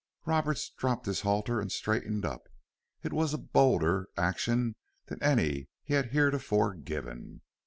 Roberts dropped his halter and straightened up. It was a bolder action than any he had heretofore given.